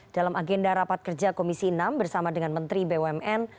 dalam agenda rapat kerja komisi enam bersama dengan menteri bumn